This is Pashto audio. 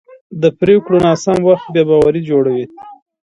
د پرېکړو ناسم وخت بې باوري جوړوي